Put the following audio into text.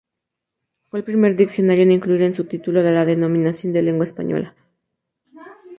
Fue el primer diccionario en incluir en su título la denominación de "lengua española".